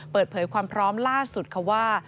เปิดเผยความพร้อมล่าสุดค่ะว่า